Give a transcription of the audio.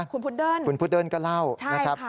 คุณพุดเดิ้ลคุณพุดเดิ้ลก็เล่านะครับ